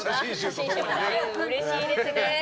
うれしいですね。